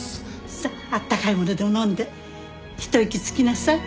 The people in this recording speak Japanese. さああったかいものでも飲んでひと息つきなさい。